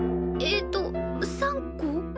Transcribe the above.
えと３個？